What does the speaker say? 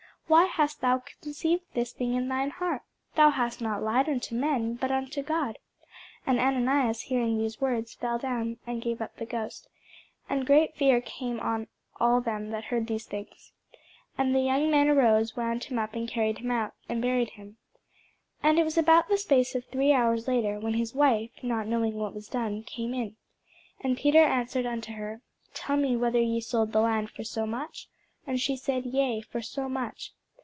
why hast thou conceived this thing in thine heart? thou hast not lied unto men, but unto God. And Ananias hearing these words fell down, and gave up the ghost: and great fear came on all them that heard these things. And the young men arose, wound him up, and carried him out, and buried him. And it was about the space of three hours after, when his wife, not knowing what was done, came in. And Peter answered unto her, Tell me whether ye sold the land for so much? And she said, Yea, for so much.